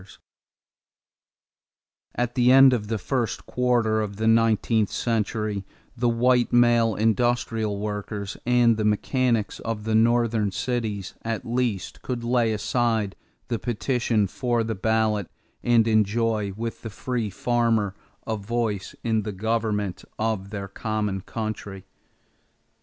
[Illustration: THOMAS DORR AROUSING HIS FOLLOWERS] At the end of the first quarter of the nineteenth century, the white male industrial workers and the mechanics of the Northern cities, at least, could lay aside the petition for the ballot and enjoy with the free farmer a voice in the government of their common country.